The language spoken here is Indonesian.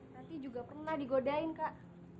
nanti juga pernah digodain kak